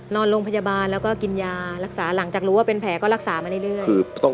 นอนโรงพยาบาลแล้วก็กินยารักษาหลังจากรู้ว่าเป็นแผลก็รักษามาเรื่อย